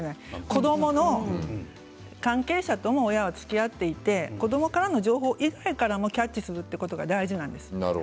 子どもの関係者とも親はつきあっていて子どもからの情報以外からもキャッチすることが大事なんです。